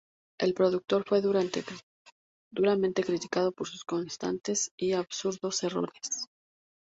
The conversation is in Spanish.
El producto fue duramente criticado por sus constantes y absurdos errores.